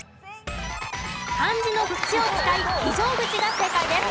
漢字の「口」を使い非常口が正解です。